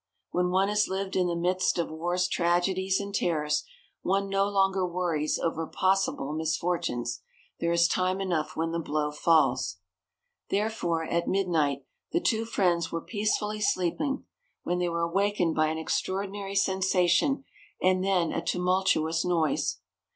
When one has lived in the midst of war's tragedies and terrors, one no longer worries over possible misfortunes. There is time enough when the blow falls. Therefore, at midnight the two friends were peacefully sleeping, when they were awakened by an extraordinary sensation and then a tumultuous noise.